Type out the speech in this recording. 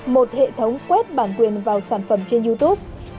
một hệ thống quét bản quyền vào sản phẩm trên youtube